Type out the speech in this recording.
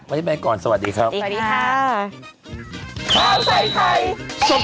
ไว้แม่ก่อนสวัสดีครับ